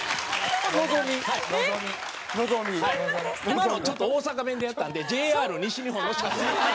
今のちょっと大阪弁でやったんでＪＲ西日本の。いいですね。